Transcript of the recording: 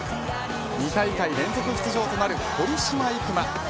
２大会連続出場となる堀島行真